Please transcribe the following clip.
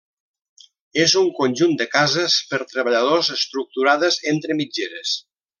És un conjunt de cases per treballadors estructurades entre mitgeres.